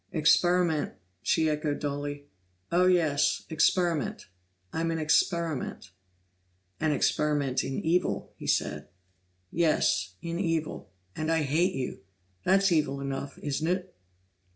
"Experiment?" she echoed dully. "Oh, yes experiment. I'm an experiment." "An experiment in evil," he said. "Yes in evil. And I hate you! That's evil enough, isn't it?"